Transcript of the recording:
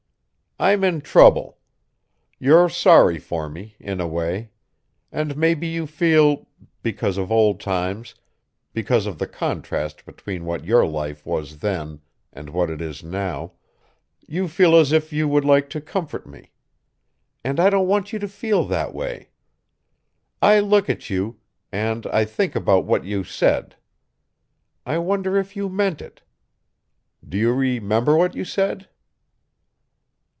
I'm in trouble. You're sorry for me, in a way. And maybe you feel because of old times, because of the contrast between what your life was then and what it is now you feel as if you would like to comfort me. And I don't want you to feel that way. I look at you and I think about what you said. I wonder if you meant it? Do you remember what you said?"